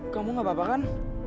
kamu gak apa apa kan